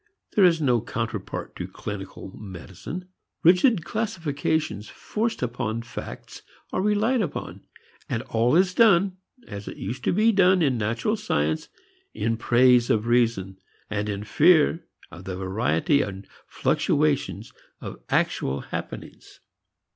There is no counterpart to clinical medicine. Rigid classifications forced upon facts are relied upon. And all is done, as it used to be done in natural science, in praise of Reason and in fear of the variety and fluctuation of actual happenings.